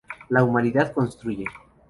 La humanidad construye.